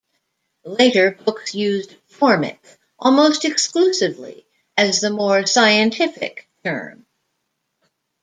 Later books used 'Formic' almost exclusively, as the more 'scientific' term.